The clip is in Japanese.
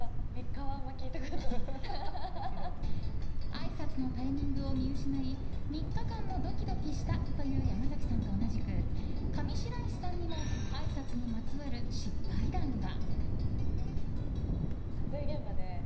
あいさつのタイミングを見失い３日間もドキドキしたという山崎さんと同じく上白石さんにもあいさつにまつわる失敗談が。